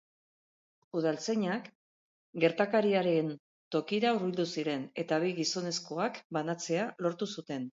Udaltzainak gertakariaren tokira hurbildu ziren eta bi gizonezkoak banatzea lortu zuten.